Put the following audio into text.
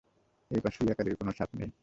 এই পাশে ইয়াকারির কোনো ছাপ নেই!